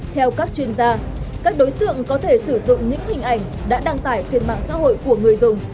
theo các chuyên gia các đối tượng có thể sử dụng những hình ảnh đã đăng tải trên mạng xã hội của người dùng